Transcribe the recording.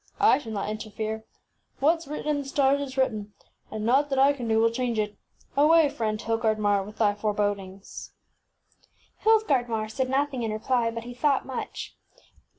I shall not interfere. WhatŌĆÖs written in the stars is written, and naught that I can do will change it. Away, friend Hildgardmar, with thy forebodings ! ŌĆÖ %f\t aaieabet# Hildgardmar said nothing in reply, but he thought much.